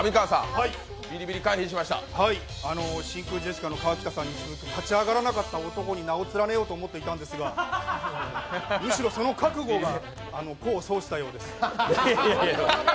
真空ジェシカの川北さんに立ち上がらなかった男に名を連ねようと思っていたんですがむしろその覚悟が功を奏したようです。